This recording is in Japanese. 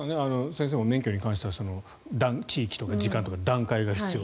先生も免許に関しては地域とか時間とか段階が必要。